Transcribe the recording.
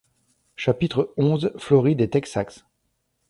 chapitre onze floride et texax.